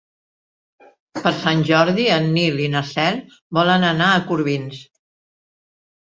Per Sant Jordi en Nil i na Cel volen anar a Corbins.